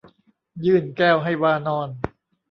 ยื่นแก้วให้วานร